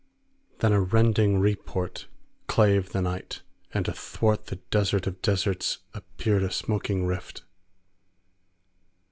Then a rending report clave the night, and athwart the desert of deserts appeared a smoking rift.